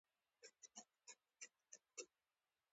د مزد د لوړوالي لپاره اقتصادي مبارزه یو پیل دی